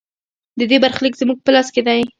د دې برخلیک زموږ په لاس کې دی